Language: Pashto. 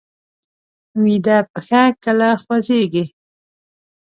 ویده پښه کله خوځېږي